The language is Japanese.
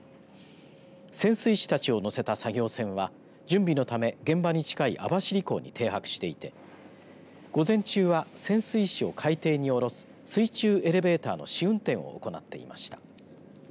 潜水士たちを乗せた作業船は準備のため現場に近い網走港に停泊していて午前中は潜水士を海底に下ろす水中エレベーターの試運転を行っていました。